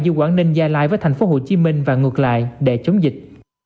du quản nên ra lại với thành phố hồ chí minh và ngược lại để chống dịch